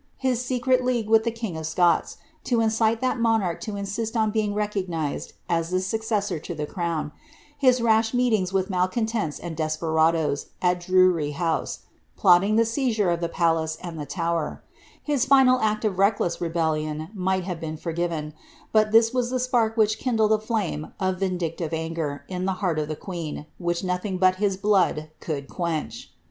His secret league with the king of Scots, to incite that monarch to insist on being recognised ss the snceessor to the crown — his rash meetings with malcontents and despenuloes, at Drury house, plotting the seizure of the palace and the Tower — his final act of reckless rebellion, might have been forgiven ; but this was the spark which kindled a flame of vindictive anger in the heart of the queen, which nothing but his blood could quench.